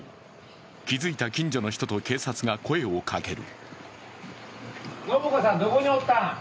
気付いた近所の人と警察が声をかける。